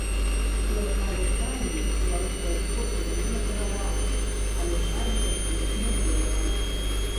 У авертайме беларуская зборная мела перавагу, але шайбу закінуць не здолела.